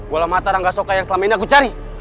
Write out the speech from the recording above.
bola mata rangga suka yang selama ini aku cari